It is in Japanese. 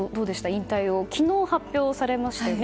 引退を昨日発表されましたよね。